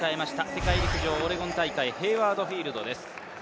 世界陸上オレゴン大会、ヘイワード・フィールドです。